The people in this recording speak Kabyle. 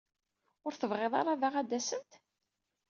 Ur tebɣid ara daɣ ad d-asent?